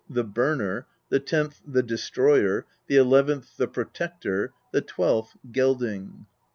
The Burner; the tenth. The Destroyer; the eleventh. The Protector; the twelfth, Gelding."